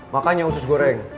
makanya usus goreng